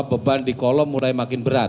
beban di kolom mulai makin berat